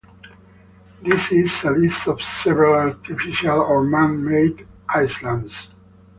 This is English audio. This is a list of several artificial or man-made islands.